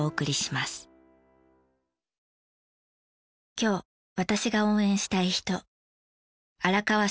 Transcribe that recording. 今日私が応援したい人。